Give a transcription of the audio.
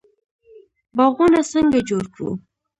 باغونه څنګه جوړ کړو؟